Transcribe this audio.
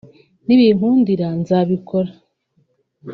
nibinkundira nzabikora